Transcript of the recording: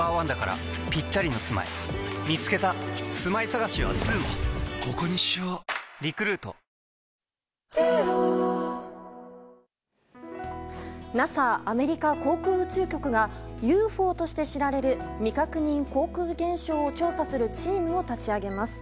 そんなゲンジボタルですが曇りで風が弱い日にＮＡＳＡ・アメリカ航空宇宙局がＵＦＯとして知られる未確認航空現象を調査するチームを立ち上げます。